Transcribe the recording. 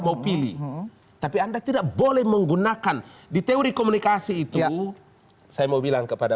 mau pilih tapi anda tidak boleh menggunakan di teori komunikasi itu saya mau bilang kepada